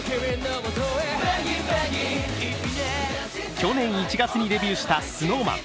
去年１月にデビューしたＳｎｏｗＭａｎ。